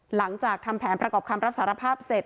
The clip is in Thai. หลังจากทำแผนประกอบคำรับสารภาพเสร็จ